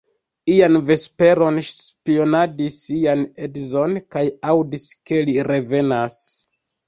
Ian vesperon ŝi spionadis sian edzon, kaj aŭdis, ke li revenas.